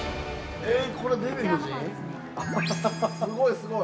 ◆すごいすごい。